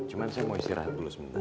cuma saya mau istirahat dulu sebentar